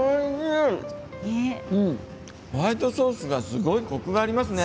ホワイトソースがすごいコクがありますね